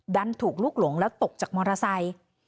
ดันถูกลุกหลงแล้วตกจากมอเตอร์ไซค์